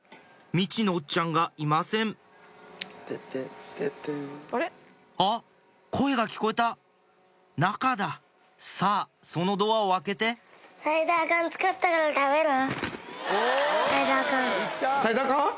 みちのおっちゃんがいませんあっ声が聞こえた中ださぁそのドアを開けてうん。